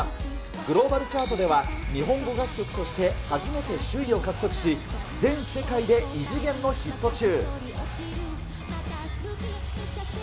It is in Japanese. グローバルチャートでは、日本語楽曲として初めて首位を獲得し、全世界で異次元のヒット中。